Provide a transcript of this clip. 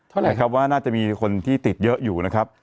นะครับว่าน่าจะมีคนที่ติดเยอะอยู่นะครับ